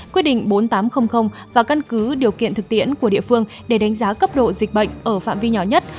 quyết định bốn nghìn tám trăm linh và căn cứ điều kiện thực tiễn của địa phương để đánh giá cấp độ dịch bệnh ở phạm vi nhỏ nhất